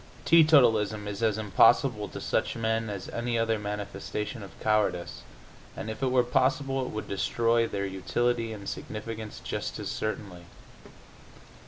Teetotalism is as impossible to such men as any other manifestation of cowardice, and, if it were possible, it would destroy their utility and significance just as certainly.